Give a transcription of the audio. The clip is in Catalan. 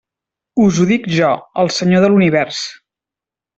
Us ho dic jo, el Senyor de l'univers.